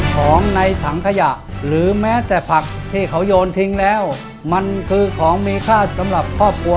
ของในถังขยะหรือแม้แต่ผักที่เขาโยนทิ้งแล้วมันคือของมีค่าสำหรับครอบครัว